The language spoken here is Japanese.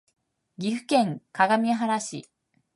岐阜県各務原市